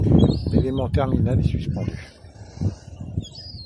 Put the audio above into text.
L'élément terminal est suspendu.